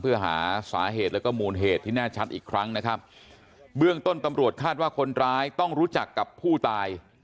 เพื่อหาสาเหตุแล้วก็มูลเหตุที่แน่ชัดอีกครั้งนะครับเบื้องต้นตำรวจคาดว่าคนร้ายต้องรู้จักกับผู้ตาย